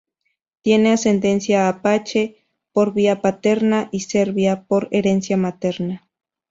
Tiene ascendencia apache —por vía paterna— y serbia —por herencia materna—.